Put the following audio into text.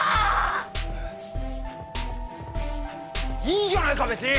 いいじゃないか別に！